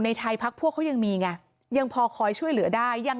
ไทยพักพวกเขายังมีไงยังพอคอยช่วยเหลือได้ยัง